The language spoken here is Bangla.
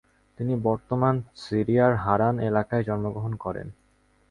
তিনি বর্তমান সিরিয়ার হারান এলাকায় জন্মগ্রহণ করেন।